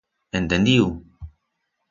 Entendiu?